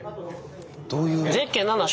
どういう？